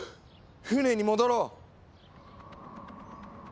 船に戻ろう！